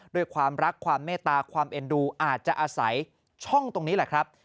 ด้วยความรักความเมตตาความเอ็นดูอาจจะอาศัยช่องตรงนี้แหละครับ